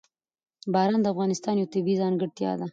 باران د افغانستان یوه طبیعي ځانګړتیا ده.